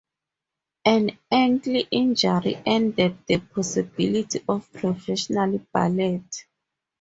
An ankle injury ended the possibility of professional ballet.